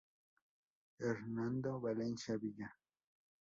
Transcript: Hernando Valencia Villa.